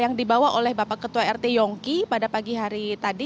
yang dibawa oleh bapak ketua rt yongki pada pagi hari tadi